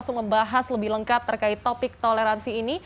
langsung membahas lebih lengkap terkait topik toleransi ini